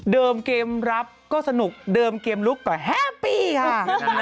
เดิมเกมรับก็สนุกเดิมเกมรุ๊คก็แฮปปี่ค่ะ